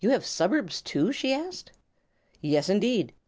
have you suburbs, too?" she asked. "Yes, indeed.